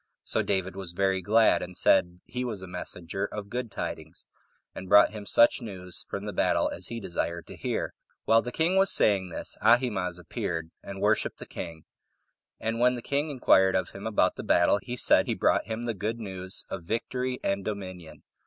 So David was very glad, and said he was a messenger of good tidings, and brought him some such news from the battle as he desired to hear. 5. While the king was saying thus, Ahimaaz appeared, and worshipped the king. And when the king inquired of him about the battle, he said he brought him the good news of victory and dominion.